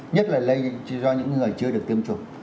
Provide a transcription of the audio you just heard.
nhất là do những người chưa được tiêm chủng